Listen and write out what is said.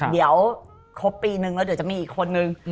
เดี๋ยวครบปีนึงแล้วเดี๋ยวจะมีอีกคนนึง